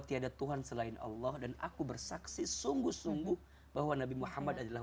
tiada tuhan selain allah dan aku bersaksi sungguh sungguh bahwa nabi muhammad adalah